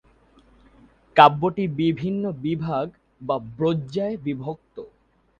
কাব্যটি বিভিন্ন বিভাগ বা ব্রজ্যায় বিভক্ত।